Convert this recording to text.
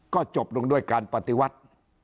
ก็จบลงด้วยการปฏิวัติ